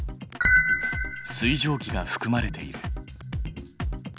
水蒸気がふくまれている。